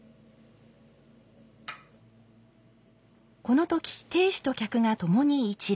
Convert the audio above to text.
この時亭主と客が共に一礼。